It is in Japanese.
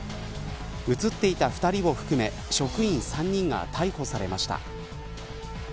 映っていた２人を含め職員３人が逮捕されました。